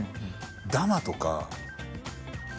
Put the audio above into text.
ダマとか。